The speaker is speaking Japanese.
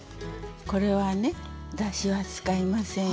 これはねだしは使いませんよ。